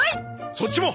そっちも！